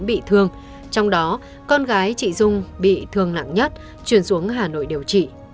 bị thương trong đó con gái chị dung bị thương nặng nhất chuyển xuống hà nội điều trị